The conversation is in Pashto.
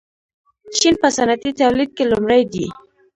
چین په صنعتي تولید کې لومړی دی.